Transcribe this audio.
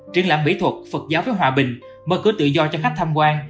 triển lãm mỹ thuật phật giáo với hòa bình mở cửa tự do cho khách tham quan